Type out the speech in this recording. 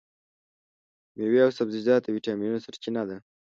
مېوې او سبزیجات د ویټامینونو سرچینه ده.